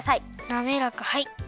なめらかはい。